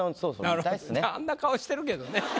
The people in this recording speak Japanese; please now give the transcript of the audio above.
あんな顔してるけどね。